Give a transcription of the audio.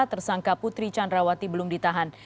tersangka putri candrawati belum ditahan